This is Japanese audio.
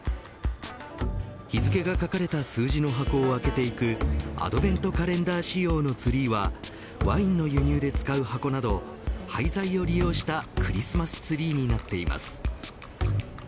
日付が書かれた数字の箱を開けていくアドベントカレンダー仕様のツリーはワインの輸入で使われる箱など廃材を利用したクリスマスツリーになっています。